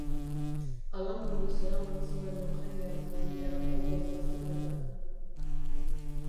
Hala moduz eraman zuen Eugeniak umea odol-gazuretan.